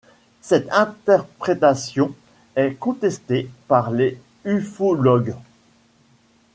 Cette interprétation est contestée par les ufologues.